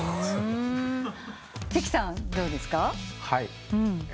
はい。